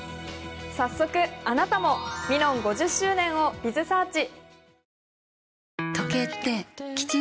早速あなたもミノン５０周年をｂｉｚｓｅａｒｃｈ。